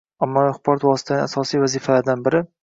Ommaviy axborot vositalarining asosiy vazifalaridan biri